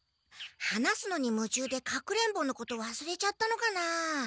話すのにむちゅうでかくれんぼのことわすれちゃったのかな。